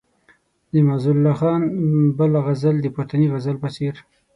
د معزالله خان بل غزل د پورتني غزل په څېر.